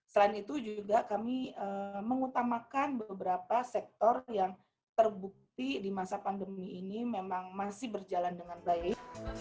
selain itu juga kami mengutamakan beberapa sektor yang terbukti di masa pandemi ini memang masih berjalan dengan baik